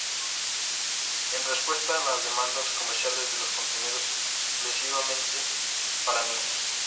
En respuesta a las demandas comerciales de los contenidos explícitamente para niños.